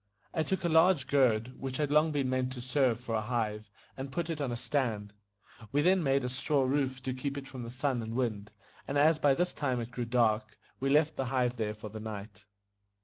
I took a large gourd, which had long been meant to serve for a hive, and put it on a stand, We then made a straw roof to keep it from the sun and wind, and as by this time it grew dark, we left the hive there for the night.